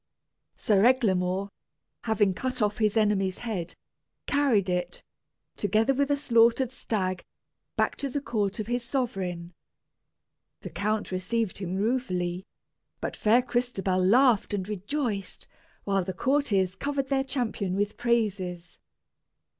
Sir Eglamour, having cut off his enemy's head, carried it, together with the slaughtered stag, back to the court of his sovereign. The count received him ruefully; but fair Crystabell laughed and rejoiced, while the courtiers covered their champion with praises.